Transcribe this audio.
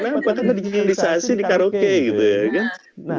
nah itu kenapa karena dijelisasi di karaoke gitu ya kan